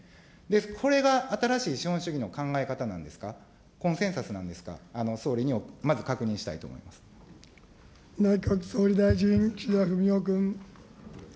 それが新しい資本主義の考え方なんですか、コンセンサスなんですか、総理にまず確認したいと思い内閣総理大臣、岸田文雄君。